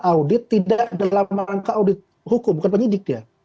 audit tidak dalam rangka audit hukum bukan penyidik ya